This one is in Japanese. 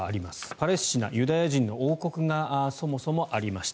パレスチナ、ユダヤ人の王国がそもそもありました。